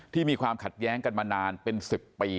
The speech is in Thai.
มีความขัดแย้งกันมานานเป็น๑๐ปี